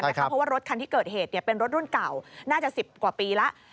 เพราะว่ารถคันที่เกิดเหตุเป็นรถรุ่นเก่าน่าจะ๑๐กว่าปีแล้ว